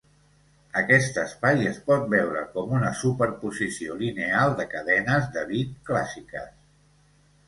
Aquest espai es pot veure com una superposició lineal de cadenes de bit clàssiques.